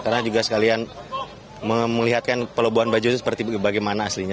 karena juga sekalian melihatkan pelobohan baju itu seperti bagaimana aslinya